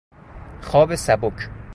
خواب سبک